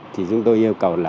thì chúng tôi yêu cầu là